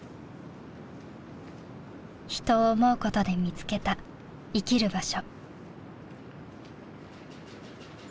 人を思うことで見つけた生きる場所。